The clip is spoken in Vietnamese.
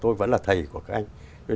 tôi vẫn là thầy của các anh